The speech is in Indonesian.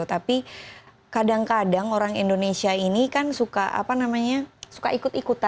tapi kadang kadang orang indonesia ini kan suka apa namanya suka ikut ikutan